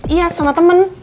iya sama temen